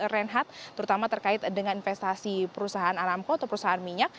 renhat terutama terkait dengan investasi perusahaan alam pot atau perusahaan minyak